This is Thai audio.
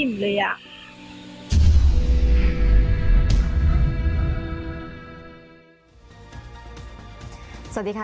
มันเป็นอาหารของพระราชา